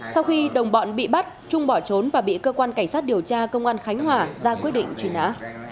sau khi đồng bọn bị bắt trung bỏ trốn và bị cơ quan cảnh sát điều tra công an khánh hòa ra quyết định truy nã